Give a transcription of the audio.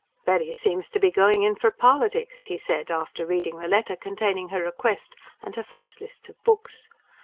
"Betty seems to be going in for politics," he said after reading the letter containing her request and her first list of books.